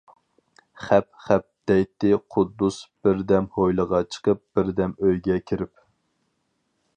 ‹‹ خەپ، خەپ›› دەيتتى قۇددۇس بىردەم ھويلىغا چىقىپ، بىردەم ئۆيگە كىرىپ.